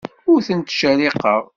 Ur tent-ttcerriqeɣ.